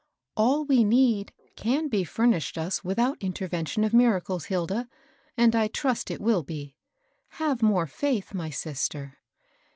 *'All we need can be furnished us without inter vention of miracles, Hilda ; and I trust it will be. Have more faith, my sister."